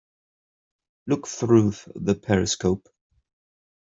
Look through the periscope.